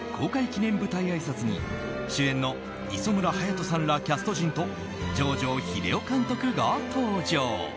記念舞台あいさつに主演の磯村勇斗さんらキャスト陣と城定秀夫監督が登場。